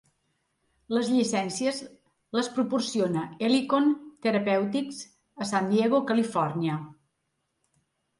Les llicències les proporciona Helicon Therapeutics a San Diego, Califòrnia.